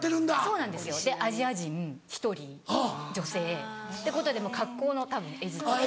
そうなんですよでアジア人１人女性ってことでもう格好のたぶん餌食で。